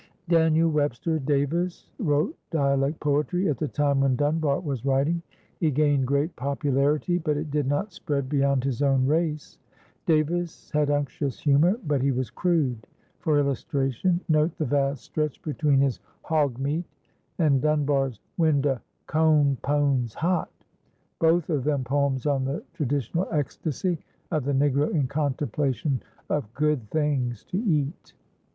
Daniel Webster Davis wrote dialect poetry at the time when Dunbar was writing. He gained great popularity, but it did not spread beyond his own race. Davis had unctuous humor, but he was crude. For illustration, note the vast stretch between his "Hog Meat" and Dunbar's "When de Co'n Pone's Hot," both of them poems on the traditional ecstasy of the Negro in contemplation of "good things" to eat.